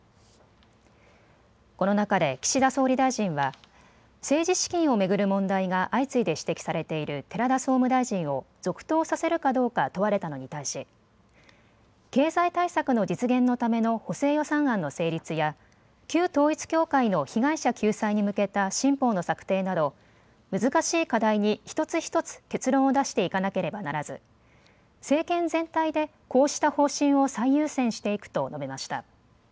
この中で岸田総理大臣は、政治資金を巡る問題が相次いで指摘されている寺田総務大臣を続投させるかどうか問われたのに対し、経済対策の実現のための補正予算案の成立や、旧統一教会の被害者救済に向けた新法の策定など、難しい課題に一つ一つ結論を出していかなければならず、政権全体でこうした方針を最優先していくと述べました。